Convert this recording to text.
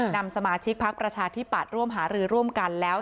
นำสมาชิกพักประชาธิปัตย์ร่วมหารือร่วมกันแล้ว